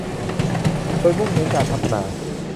โดยมุ่งเน้นการพัฒนา